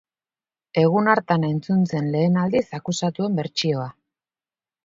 Egun hartan entzun zen lehen aldiz akusatuen bertsioa.